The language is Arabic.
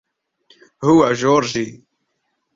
هو جورجي.